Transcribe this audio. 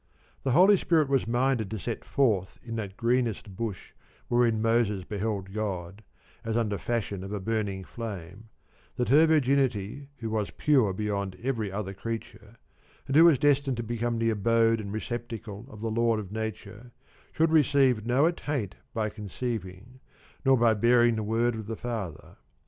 The Holy Spirit was minded to set forth in that greenest bush wherein Moses beheld 67 God, as under fashion of a burning flame, that her virginity who was pure beyond every other creature, and who was destined to become the abode and receptacle of the Lord of nature, should receive no attaint by conceiving, nor by bearing the Word of the Father.